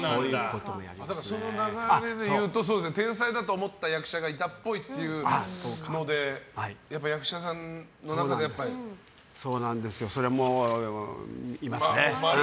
その流れでいうと天才だと思った役者がいたっぽいっていうのでやっぱり役者さんの中でも。それはもういますね。